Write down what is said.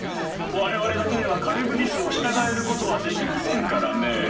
我々だけではカリュブディスを従えることはできませんからね。